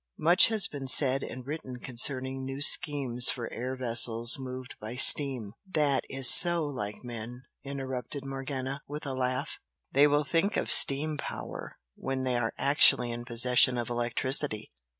Much has been said and written concerning new schemes for air vessels moved by steam " "That is so like men!" interrupted Morgana, with a laugh "They will think of steam power when they are actually in possession of electricity!